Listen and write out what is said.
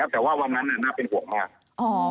แต่ว่าวันนั้นน่าเป็นห่วงมาก